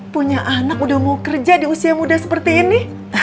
punya anak udah mau kerja di usia muda seperti ini